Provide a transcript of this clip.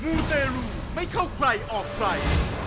มูเตรลูไม่เข้าใครออกใคร